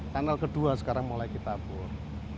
tanel kedua sekarang mulai kita bur